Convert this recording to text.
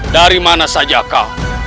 dari mana saja kau